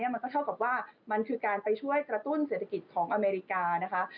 มันก็เท่ากับว่ามันคือการไปช่วยกระตุ้นเศรษฐกิจของอเมริกานะคะ